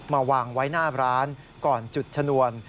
มาวางไว้หน้าร้านก่อนจุดชนวน